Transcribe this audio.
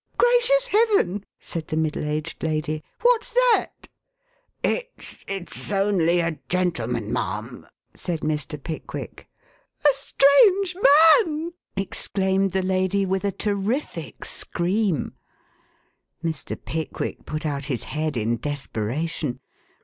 "Gracious Heaven!" said the middle aged lady. "What's that?" "It's it's only a gentleman, ma'am," said Mr. Pickwick. "A strange man!" exclaimed the lady with a terrific scream. Mr. Pickwick put out his head in desperation.